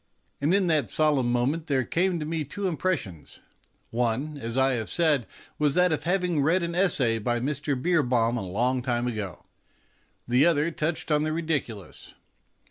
And in that solemn moment there came to me two impressions. One, as I have said, was that of having read an essay by Mr. Beerbohm a long time ago ; the other touched the ridiculous.